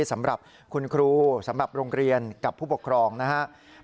สำหรับคุณครูสำหรับโรงเรียนกับผู้ปกครองนะครับ